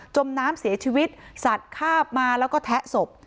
มน้ำเสียชีวิตสัตว์คาบมาแล้วก็แทะศพ